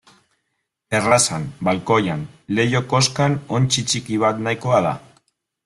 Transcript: Terrazan, balkoian, leiho-koskan ontzi ttiki bat nahikoa da.